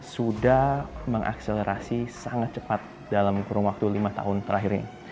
sudah mengakselerasi sangat cepat dalam kurun waktu lima tahun terakhir ini